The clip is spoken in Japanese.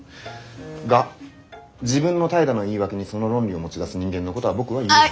が自分の怠惰の言い訳にその論理を持ち出す人間のことは僕は許せ。